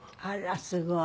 あらすごい。